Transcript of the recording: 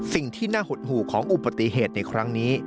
สิ่งที่น่าหดหู่ของอุบัติเหตุในครั้งนี้